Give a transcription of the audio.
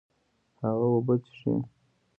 هغه اوبه څښي